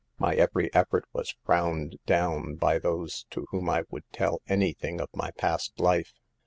My every effort was frowned do wn by those to whom I would tell any thing of my past life.